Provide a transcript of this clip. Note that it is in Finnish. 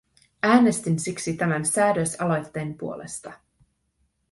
Äänestin siksi tämän säädösaloitteen puolesta.